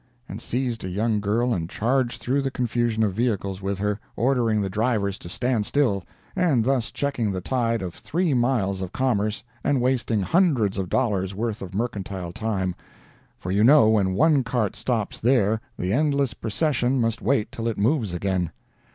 and seized a young girl and charged through the confusion of vehicles with her, ordering the drivers to stand still, and thus checking the tide of three miles of commerce, and wasting hundreds of dollars' worth of mercantile time—for you know when one cart stops there, the endless procession must wait till it moves again.